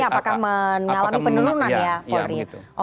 apakah mengalami penurunan ya polri